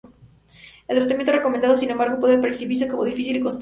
El tratamiento recomendado, sin embargo, puede percibirse como difícil y costoso.